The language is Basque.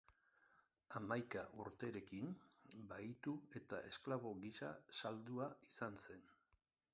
Hamaika urterekin bahitu eta esklabo gisa saldua izan zen.